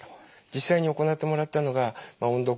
実際に行ってもらったのが音読